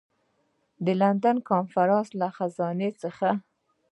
د لندن کنفرانس له خزانې څخه.